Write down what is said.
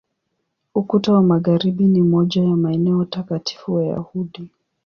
Ukuta wa Magharibi ni moja ya maeneo takatifu Wayahudi.